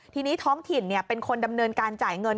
ทีนี้ท้องถิ่นเป็นคนดำเนินการจ่ายเงิน